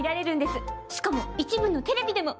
しかも一部のテレビでも。